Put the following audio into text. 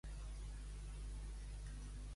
Què va fer Apol·lo amb ell quan va néixer?